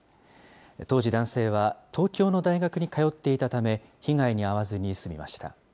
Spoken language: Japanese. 当時、男性は東京の大学に通っていたため、被害に遭わずに済みました。